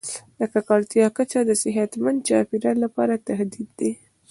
د ککړتیا کچه د صحتمند چاپیریال لپاره تهدید دی.